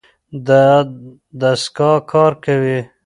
دا دستګاه کار کوي.